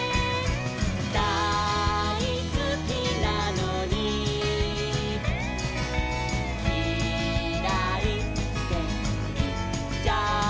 「だいすきなのにキライっていっちゃう」